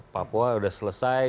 papua udah selesai